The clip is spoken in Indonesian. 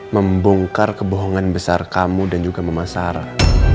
membongkar kebohongan besar kamu dan juga mama sarah